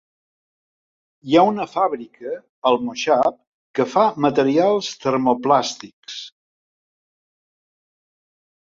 Hi ha una fàbrica al moixav que fa materials termoplàstics.